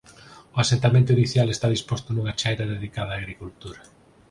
O asentamento inicial está disposto nunha chaira dedicada á agricultura.